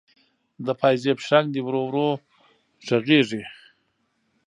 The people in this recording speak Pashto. د پایزیب شرنګ دی ورو ورو ږغیږې